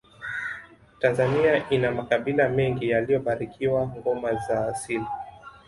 tanzania ina makabila mengi yaliyobarikiwa ngoma za asili